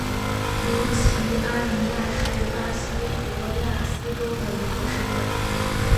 卢齐阿尼亚是巴西戈亚斯州的一个市镇。